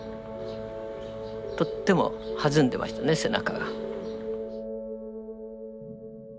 とっても弾んでましたね背中が。